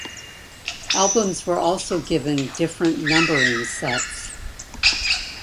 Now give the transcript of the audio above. Albums were also given different numbering sets.